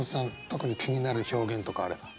特に気になる表現とかあれば。